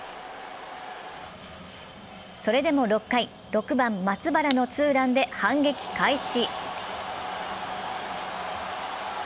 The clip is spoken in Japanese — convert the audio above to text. それでも６回、６番・松原のツーランで反撃開始。